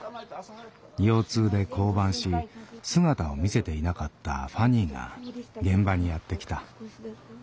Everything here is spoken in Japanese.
腰痛で降板し姿を見せていなかった風兄が現場にやって来た。